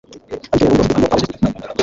abityo rero n'umugore ufite ibyo abuzwa